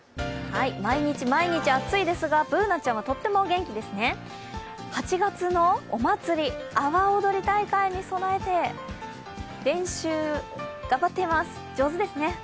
毎日毎日暑いですがＢｏｏｎａちゃんはとっても元気ですね、８月のお祭り、阿波おどり大会に備えて練習頑張っています、上手ですね。